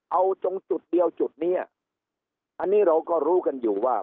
เอาตรงจุดเดียวจุดนี้อันนี้เราก็รู้กันอยู่ว่า